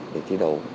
để thi đấu